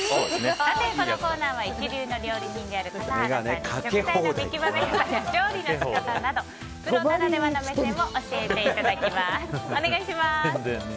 このコーナーは一流の料理人である笠原さんに食材の見極め方や調理の仕方などプロならではの目線で教えていただきます。